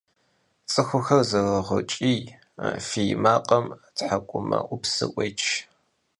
Цӏыхухэр зэрогъэкӏий, фий макъым тхьэкӏумэӏупсыр ӏуеч.